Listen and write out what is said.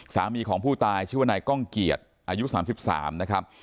สามีของผู้ตายชื่อว่านายก้องเกียจอายุ๓๓นะครับ